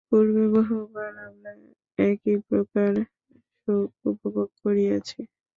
পূর্বে বহুবার আমরা একই প্রকার সুখ উপভোগ করিয়াছি।